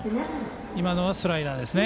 今のはスライダーですね。